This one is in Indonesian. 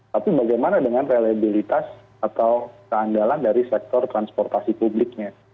tapi bagaimana dengan reliabilitas atau keandalan dari sektor transportasi publiknya